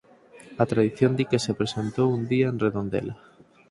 A tradición di que se presentou un día en Redondela.